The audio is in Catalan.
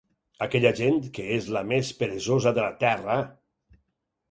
Aquella gent, que és la més peresosa de la terra…